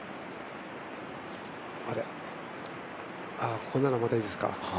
ここならまだいいですか。